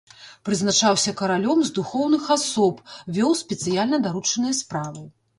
Прызначаўся каралём з духоўных асоб, вёў спецыяльна даручаныя справы.